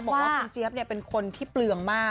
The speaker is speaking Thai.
คุณเจี๊ยบเนี่ยเป็นคนที่เปลืองมาก